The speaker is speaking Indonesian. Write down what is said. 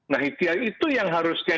nah itu yang harusnya